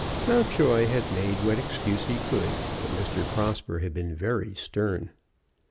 Mountjoy had made what excuse he could, but Mr. Prosper had been very stern.